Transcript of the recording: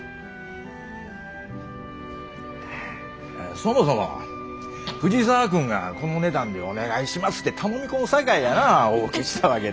そもそも藤沢君がこの値段でお願いしますて頼み込むさかいやなお受けしたわけで。